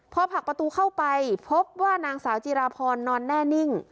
พอผลักประตูเข้าไปพบว่านางสาวจิราพรนอนแน่นิ่ง